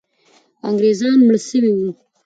انګریزان مړه سوي وو.